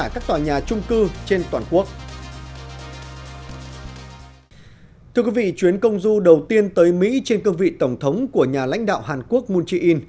các vị chuyến công du đầu tiên tới mỹ trên cơ vị tổng thống của nhà lãnh đạo hàn quốc moon jae in